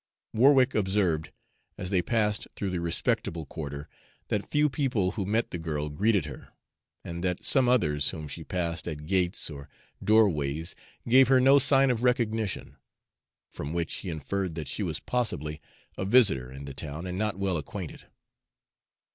Warwick observed, as they passed through the respectable quarter, that few people who met the girl greeted her, and that some others whom she passed at gates or doorways gave her no sign of recognition; from which he inferred that she was possibly a visitor in the town and not well acquainted.